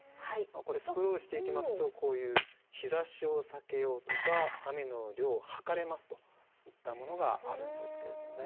これスクロールしていきますとこういう「日ざしを避けよう！！」とか「雨の量測れます」といったものがあるんですけれどもね。